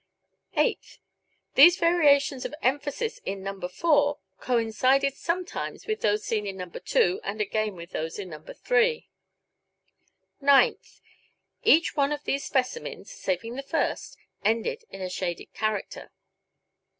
Eighth: These variations of emphasis in No. 4 coincided sometimes with those seen in No. 2 and again with those in No. 3. Ninth: Each one of these specimens, saving the first, ended in a shaded character.